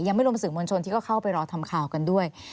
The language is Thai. ไม่รวมสื่อมวลชนที่ก็เข้าไปรอทำข่าวกันด้วย